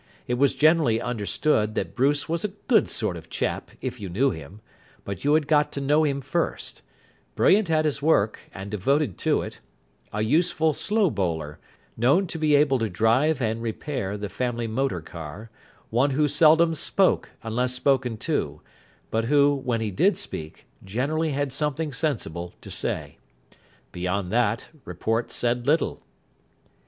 It was generally understood that Bruce was a good sort of chap if you knew him, but you had got to know him first; brilliant at his work, and devoted to it; a useful slow bowler; known to be able to drive and repair the family motor car; one who seldom spoke unless spoken to, but who, when he did speak, generally had something sensible to say. Beyond that, report said little.